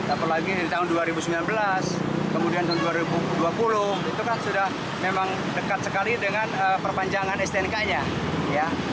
apalagi di tahun dua ribu sembilan belas kemudian tahun dua ribu dua puluh itu kan sudah memang dekat sekali dengan perpanjangan stnk nya ya